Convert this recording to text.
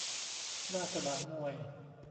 หน้าสนามมวย